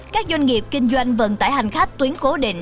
các doanh nghiệp kinh doanh vận tải hành khách tuyến cố định